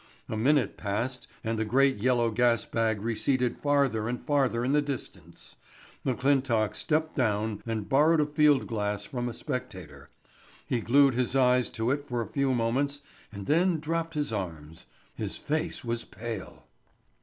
A minute passed and the great yellow gas bag receded farther and farther in the distance. McClintock stepped down and borrowed a field glass from a spectator. He glued his eyes to it for a few moments and then dropped his arms. His face was pale.